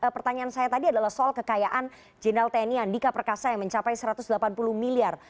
pertanyaan saya tadi adalah soal kekayaan jenderal tni andika perkasa yang mencapai satu ratus delapan puluh miliar